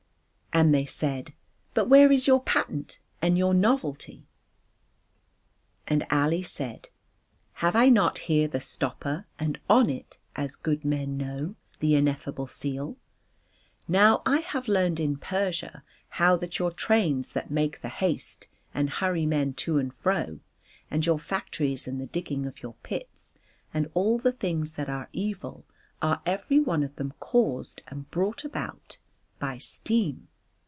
And they said: "But where is your patent and your novelty?" And Ali said: "Have I not here the stopper and on it, as good men know, the ineffable seal? Now I have learned in Persia how that your trains that make the haste, and hurry men to and fro, and your factories and the digging of your pits and all the things that are evil are everyone of them caused and brought about by steam."